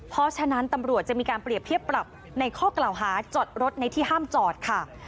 เพราะฉะนั้นตำรวจจะมีการเปรียบเทียบปรับในข้อกล่าวหาจอดรถในที่ห้ามจอดค่ะ